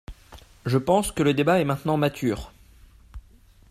Je pense que le débat est maintenant mature.